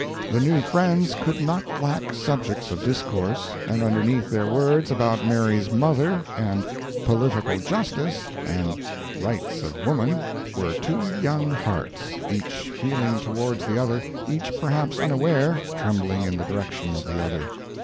] The new friends could not lack subjects of discourse, and underneath their words about Mary's mother, and 'Political Justice,' and 'Rights of Woman,' were two young hearts, each feeling towards the other, each perhaps unaware, trembling in the direction of the other.